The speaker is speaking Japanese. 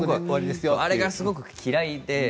あれがすごく嫌いで。